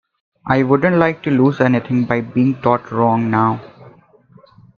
I wouldn't like to lose anything by being taught wrong now.